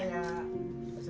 seperti ini aja ya